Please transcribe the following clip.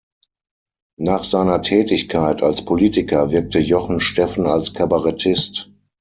Nach seiner Tätigkeit als Politiker wirkte Jochen Steffen als Kabarettist.